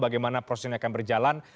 bagaimana prosesnya akan berjalan